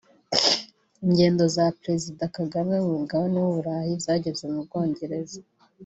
Ingendo za Perezida Kagame ku mugabane w’u Burayi zageze mu Bwongereza